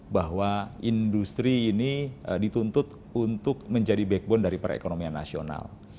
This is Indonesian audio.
bahwa industri ini dituntut untuk menjadi backbone dari perekonomian nasional